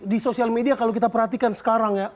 di sosial media kalau kita perhatikan sekarang ya